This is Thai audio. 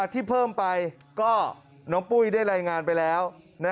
ที่เพิ่มไปก็น้องปุ้ยได้รายงานไปแล้ว